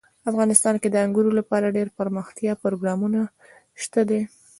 افغانستان کې د انګورو لپاره دپرمختیا پروګرامونه شته دي.